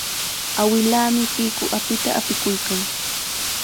Awilaami triqu apita apikuykan.